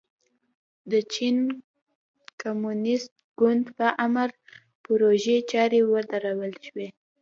د چین کمونېست ګوند په امر پروژې چارې ودرول شوې.